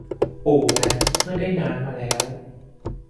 ปู่นั้นเมื่อได้น้ำมาแล้ว